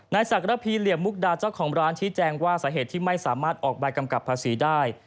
ศักระพีเหลี่ยมมุกดาเจ้าของร้านชี้แจงว่าสาเหตุที่ไม่สามารถออกใบกำกับภาษีได้